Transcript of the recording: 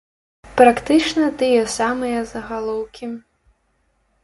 Практычна тыя самыя загалоўкі.